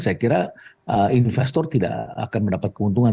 saya kira investor tidak akan mendapat keuntungan